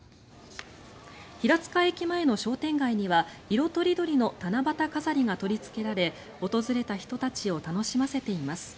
平塚駅前の商店街には色とりどりの七夕飾りが取りつけられ訪れた人たちを楽しませています。